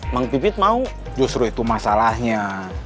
bang pipit mau justru itu masalahnya